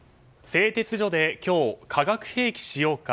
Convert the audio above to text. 製鉄所で今日、化学兵器使用か。